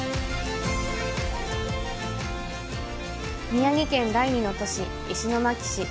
宮城県第二の都市・石巻市。